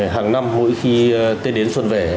hàng năm mỗi khi tết đến xuân về